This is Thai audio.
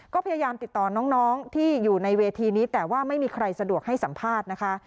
ก็พยายามติดต่อน้องที่อยู่ในเวทีนี้แต่ว่าไม่มีใครสะดวกให้สัมภาษณ์นะคะ